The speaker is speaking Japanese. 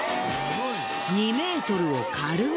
２ｍを軽々。